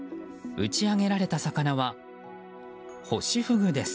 打ち揚げられた魚はホシフグです。